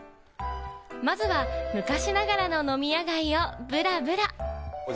まずは昔ながらの飲み屋街をブラブラ。